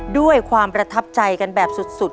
ด้วยความประทับใจกันแบบสุด